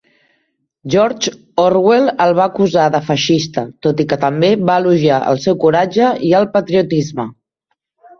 George Orwell el va acusar de feixista, tot i que també va elogiar el seu coratge i el patriotisme.